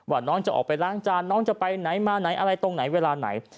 ว่าน้องจะออกไปล้างจานน้องจะไปไหนมาไหนอะไรตรงไหนเวลาไหน